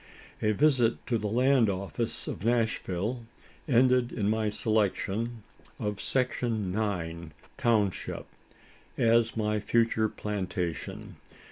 A visit to the Land office of Nashville ended in my selection of Section Number 9, Township , as my future plantation.